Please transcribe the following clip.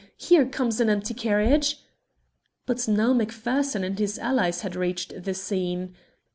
Here comes an empty carriage!" But now Macpherson and his allies had reached the scene.